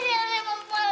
elderi hasilnya macem lagi